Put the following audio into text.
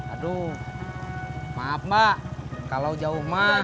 aduh maaf mbak kalau jauh mbak